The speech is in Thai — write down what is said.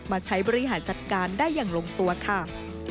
มาใช้บริหารจัดการได้อย่างลงตัวค่ะ